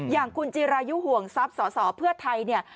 อย่างคุณจิรายุห่วงทรัพย์สอสอเพื่อไทยเนี่ย